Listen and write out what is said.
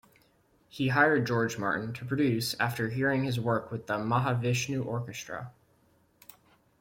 He hired George Martin to produce after hearing his work with the Mahavishnu Orchestra.